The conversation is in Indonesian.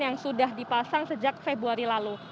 yang sudah dipasang sejak februari lalu